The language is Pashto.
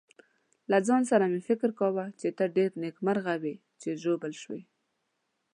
له ځان سره مې فکر کاوه چې ته ډېر نېکمرغه وې چې ژوبل شوې.